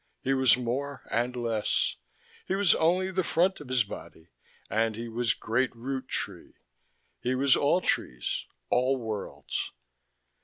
He was more and less, he was only the front of his body and he was Great Root Tree, he was all trees, all worlds....